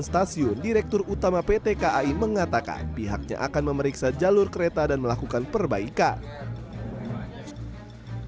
stasiun direktur utama pt kai mengatakan pihaknya akan memeriksa jalur kereta dan melakukan perbaikan